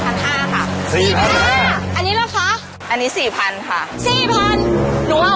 จะให้เฮียจ่ายหรือเปล่า